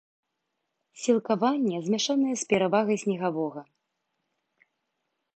Сілкаванне змяшанае, з перавагай снегавога.